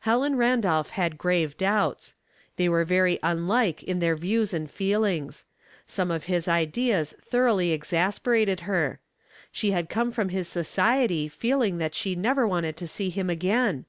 Helen Randolph had grave doubts; they were very unlike in their views and feel ings; some of his ideas thoroughly exasperated her ; she had come from his society feeling that she never wanted to see him again.